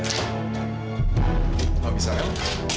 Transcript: kalau bisa el